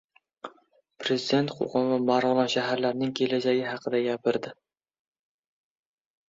Prezident Qo‘qon va Marg‘ilon shaharlarining kelajagi haqida gapirdi